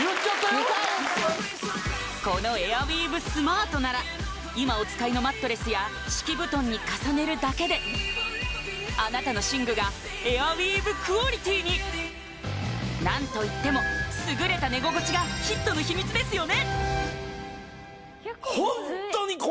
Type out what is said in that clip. ２回このエアウィーヴスマートなら今お使いのマットレスや敷布団に重ねるだけであなたの寝具がエアウィーヴクオリティーに何といっても優れた寝心地がヒットの秘密ですよね